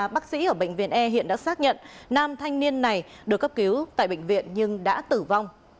bác sĩ ở bệnh viện e hiện đã xác nhận nam thanh niên này được cấp cứu tại bệnh viện nhưng đã tử vong